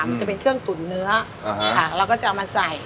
มันจะเป็นเครื่องตุ๋นเนื้อเราก็จะเอามาใส่